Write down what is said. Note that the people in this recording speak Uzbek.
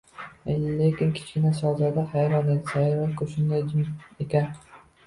lekin Kichkina shahzoda hayron edi: sayyora-ku shunday jimit ekan